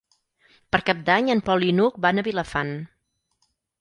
Per Cap d'Any en Pol i n'Hug van a Vilafant.